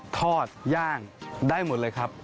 ทอดย่างได้หมดเลยครับ